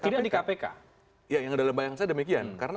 tidak di kpk